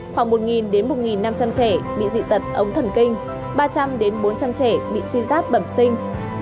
khoảng một đến một năm trăm linh trẻ bị dị tật ống thần kinh ba trăm linh bốn trăm linh trẻ bị suy giáp bẩm sinh